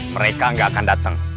mereka gak akan dateng